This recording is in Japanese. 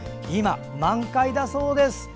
今、満開だそうです。